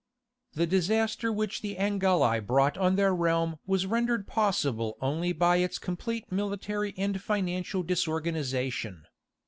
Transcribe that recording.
The disaster which the Angeli brought on their realm was rendered possible only by its complete military and financial disorganization.